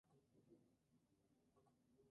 Sede de la Fiesta Provincial del Trigo.